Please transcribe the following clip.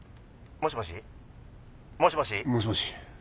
もしもし？もしもし？